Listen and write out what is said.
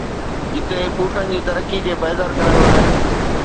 جتي ٻوٽن جي ترقي کي بهتر ڪرڻ لاء